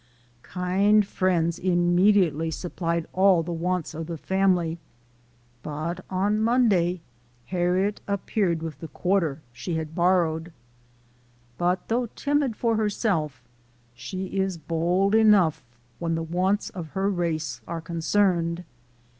Kind friends immediately sup plied all the wants of the family, but on Monday Harriet appeared with the quarter she had bor rowed. But though so timid for herself, she is bold enough when the wants of her race are concerned.